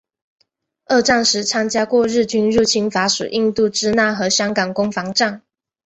二战时参加过日军入侵法属印度支那和香港攻防战。